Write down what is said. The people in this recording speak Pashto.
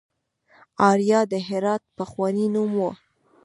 اریا د هرات پخوانی نوم و